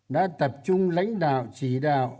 đã tập trung lãnh đạo chỉ đạo